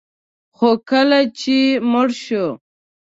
خو کله چې مړ شو